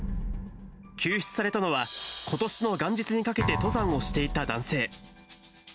救出されたのは、ことしの元日にかけて登山をしていた男性。